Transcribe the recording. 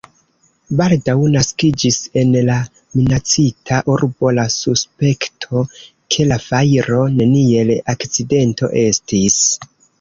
Baldaŭ naskiĝis en la minacita urbo la suspekto, ke la fajro neniel akcidento estis.